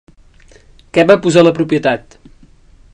Què va posar la propietat?